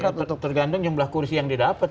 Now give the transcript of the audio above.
tergantung jumlah kursi yang didapat